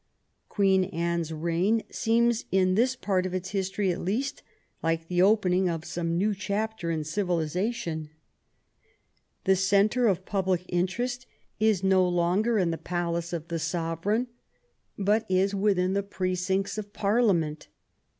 Queen Anne's reign seems, in this part of its history at least, like the opening of some new chapter in civiliza tion. The centre of public interest is no longer in the 16 WHAT THE QUEEN CAME TO— AT HOME palace of the sovereign, but is within the precincts of Parliament.